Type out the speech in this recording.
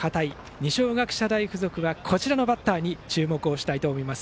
二松学舎大付属はこちらのバッターに注目したいと思います。